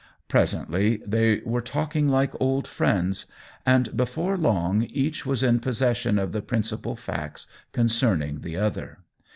Presently they were talking like old friends, and before long each was in possession of the principal facts concerning the other.